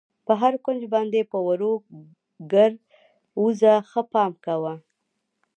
پر هر کونج باندې په ورو ګر وځه، ښه پام کوه.